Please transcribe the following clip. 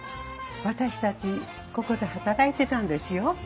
私たちここで働いてたんですよ。